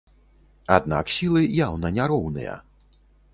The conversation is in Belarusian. Аднак сілы яўна няроўныя.